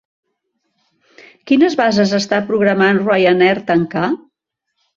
Quines bases està programant Ryanair tancar?